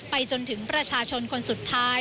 จนถึงประชาชนคนสุดท้าย